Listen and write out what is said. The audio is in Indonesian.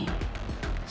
sebelum rizky tau semuanya